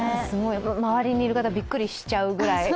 周りにいる方、びっくりしちゃうぐらい。